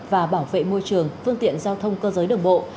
và bảo vệ môi trường phương tiện giao thông cơ giới đường bộ